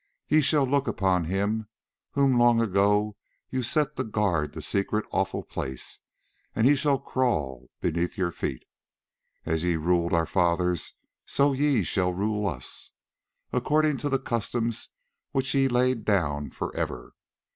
Ye shall look upon him whom long ago ye set to guard the secret awful place, and he shall crawl beneath your feet. As ye ruled our fathers so ye shall rule us, according to the customs which ye laid down for ever.